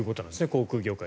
航空業界。